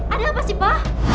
ada apa sih pa